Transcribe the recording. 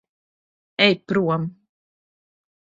Ej prom.